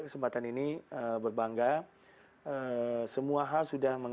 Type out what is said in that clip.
kesempatan ini berbangga semua hal sudah